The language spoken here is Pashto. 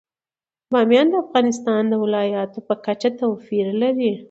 بامیان د افغانستان د ولایاتو په کچه توپیر لري.